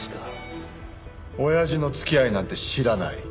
おやじの付き合いなんて知らない。